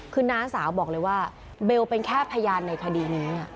คือน้าสาวบอกเลยว่าเบลเป็นแค่พยานในคดีนี้